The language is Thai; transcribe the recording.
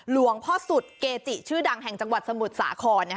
หลวงพ่อสุดเกจิชื่อดังแห่งจังหวัดสมุทรสาคร